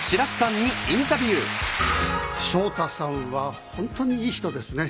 昇太さんはホントにいい人ですね